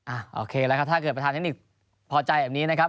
โอเคแล้วครับถ้าเกิดประธานเทคนิคพอใจแบบนี้นะครับ